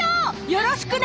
よろしくね！